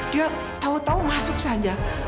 dia tahu tahu masuk saja